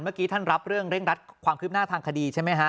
เมื่อกี้ท่านรับเรื่องเร่งรัดความคืบหน้าทางคดีใช่ไหมฮะ